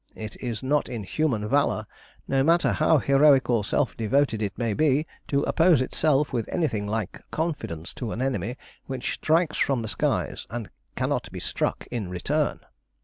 It is not in human valour, no matter how heroic or self devoted it may be, to oppose itself with anything like confidence to an enemy which strikes from the skies, and cannot be struck in return.